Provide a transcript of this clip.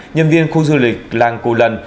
nhân viên khu du lịch làng cù lần